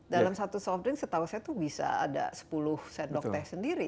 dalam satu softrink setahu saya tuh bisa ada sepuluh sendok teh sendiri